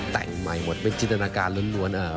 แต่งใหม่หมดเป็นจินตนาการล้วน